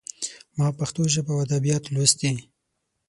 ما پښتو ژبه او ادبيات لوستي.